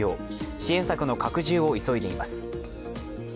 支援策の拡充を急いでいます。